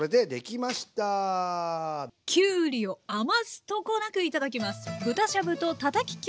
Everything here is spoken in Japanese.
きゅうりを余すとこなく頂きます！